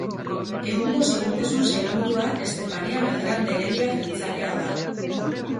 Egungo Segurtasun Sailburua Estefania Beltran de Heredia jeltzalea da.